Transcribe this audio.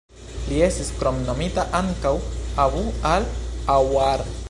Li estis kromnomita ankaŭ "Abu-al-Aaŭar".